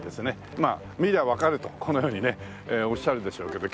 まあ見りゃわかるとこのようにねおっしゃるでしょうけど。